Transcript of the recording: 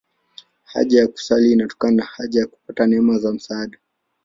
Haja ya kusali inatokana na haja ya kupata neema za msaada.